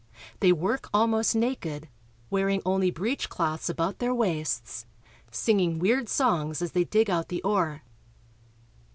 They work almost naked, wearing only breechcloths about their waists, singing weird songs as they dig out the ore.